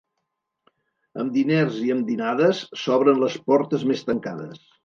Amb diners i amb dinades s'obren les portes més tancades.